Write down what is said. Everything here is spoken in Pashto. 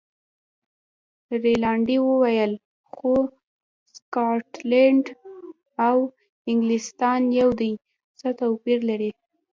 رینالډي وویل: خو سکاټلنډ او انګلیستان یو دي، څه توپیر لري.